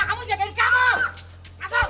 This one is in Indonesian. gak ada udah masuk